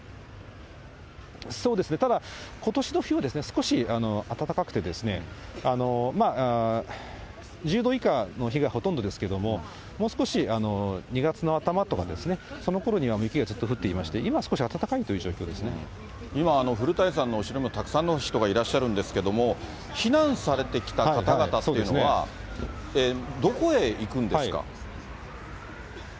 そうですね、ただ、ことしの冬は少し暖かくて、１０度以下の日がほとんどですけれども、もう少し２月の頭とか、そのころには雪がずっと降っていまして、今、古谷さんの後ろにもたくさんの人がいらっしゃるんですけども、避難されてきた方々というのは、どこへ行くんですか？